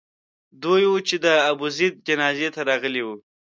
دوی وو چې د ابوزید جنازې ته راغلي وو.